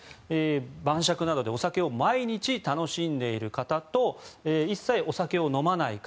晩酌などでお酒を毎日楽しんでいる方と一切お酒を飲まない方。